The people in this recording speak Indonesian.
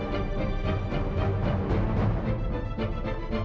jangan sentuh aku